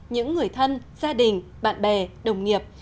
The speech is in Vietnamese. những người thân gia đình bạn bè đồng nghiệp